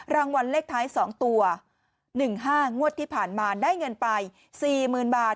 รางวัลเลขท้าย๒ตัว๑๕งวดที่ผ่านมาได้เงินไป๔๐๐๐บาท